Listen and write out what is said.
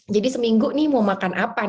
jadi seminggu ini mau makan apa